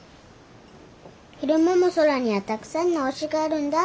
昼間も空にはたくさんの星があるんだ。